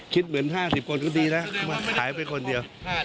คิดเหมือน๕๐คนก็ดีแล้วหายไปคนเดียว